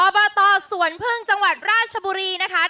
บตสวนพึ่งจังหวัดราชบุรีนะคะ